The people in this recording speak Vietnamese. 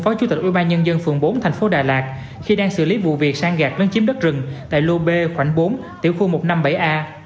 phó chủ tịch ubnd phường bốn thành phố đà lạt khi đang xử lý vụ việc sang gạt lấn chiếm đất rừng tại lô b khoảng bốn tiểu khu một trăm năm mươi bảy a